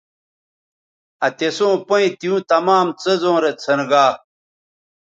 آ تِسوں پیئں تیوں تمام څیزوں رے څھنرگا